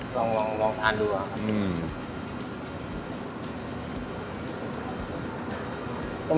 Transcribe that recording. ลองลองลองทานดูดีกว่าครับอืม